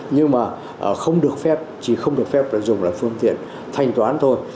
nhưng mà không được phép chỉ không được phép dùng là phương tiện thanh toán thôi